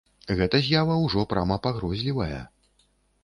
Гэта з'ява ўжо прама пагрозлівая.